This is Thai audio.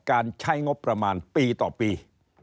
การใช้งบประมาณปีต่อปี